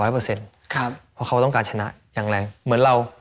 เพราะเขาต้องการชนะอย่างแรงเหมือนเรา